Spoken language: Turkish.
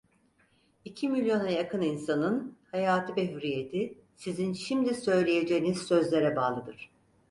İki milyona yakın insanın hayatı ve hürriyeti sizin şimdi söyleyeceğiniz sözlere bağlıdır.